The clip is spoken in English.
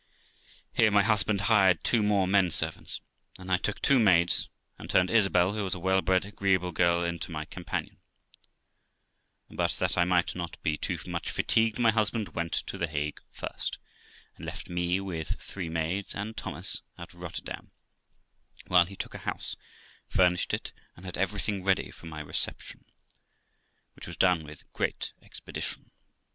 Here my husband hired two more men servants, and I took two maids, and turned Isabel, who was a wellbred, agreeable girl, into my companion ; but that I might not be too much fatigued, my husband went to the Hague first, and left me, with three maids and Thomas at Rotterdam, while he took a house, furnished it, and had everything ready for my reception, which was done with great expedition.